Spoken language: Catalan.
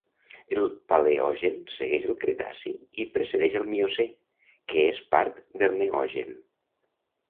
El Paleogen segueix el Cretaci i precedeix el Miocè, que és part del Neogen.